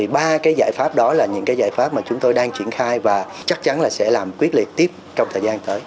ba giải pháp đó là những giải pháp mà chúng tôi đang triển khai và chắc chắn sẽ làm quyết liệt tiếp trong thời gian tới